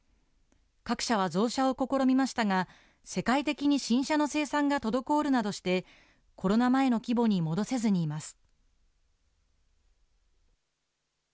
各社は増車を試みましたが、世界的に新車の生産が滞るなどして、コロナ前の規模に戻せずにいます。